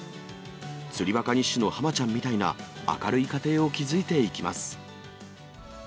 釣りバカ日誌のハマちゃんみたいな明るい家庭を築いていきます。